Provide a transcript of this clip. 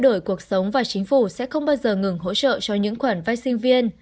đổi cuộc sống và chính phủ sẽ không bao giờ ngừng hỗ trợ cho những khoản vai sinh viên